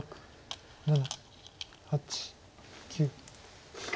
７８９。